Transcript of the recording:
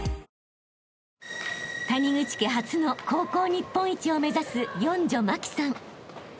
［谷口家初の高校日本一を目指す四女茉輝さん］